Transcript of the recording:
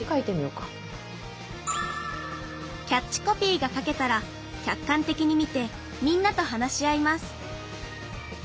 キャッチコピーが書けたら客観的に見てみんなと話し合います